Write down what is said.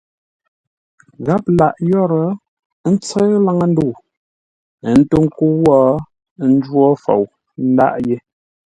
Gháp lâʼ yórə́, ə́ ntsə́ʉ laŋə́-ndə̂u, ə́ ntó ńkə́u wó ńjwó fou ńdâʼ yé.